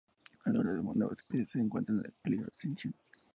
Algunas de estas nuevas especies se encuentran en peligro de extinción.